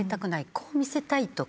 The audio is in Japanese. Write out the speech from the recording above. こう見せたいとか。